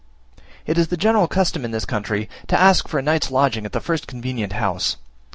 It is the general custom in this country to ask for a night's lodging at the first convenient house.